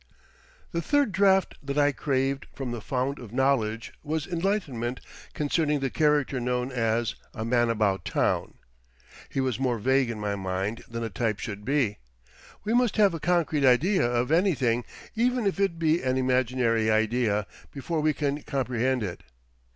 The third draught that I craved from the fount of knowledge was enlightenment concerning the character known as A Man About Town. He was more vague in my mind than a type should be. We must have a concrete idea of anything, even if it be an imaginary idea, before we can comprehend it.